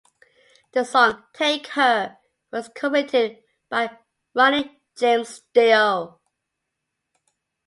The song "Take Her" was co-written by Ronnie James Dio.